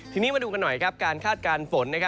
ทีนี้มาดูกันหน่อยการคาดการณ์ฝน